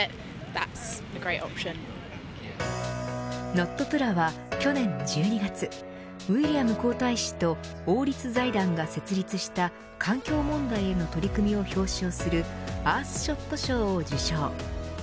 Ｎｏｔｐｌａは、去年１２月ウィリアム皇太子と王立財団が設立した環境問題への取り組みを表彰するアースショット賞を受賞。